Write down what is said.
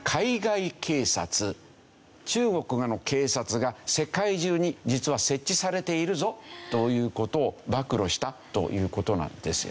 中国が海外警察中国の警察が世界中に実は設置されているぞという事を暴露したという事なんですよ。